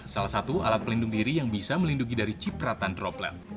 salah satu alat pelindung diri yang bisa melindungi dari cipratan droplet